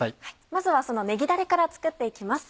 まずはそのねぎだれから作って行きます。